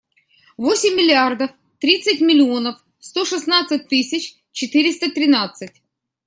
Восемь миллиардов тридцать миллионов сто шестнадцать тысяч четыреста тринадцать.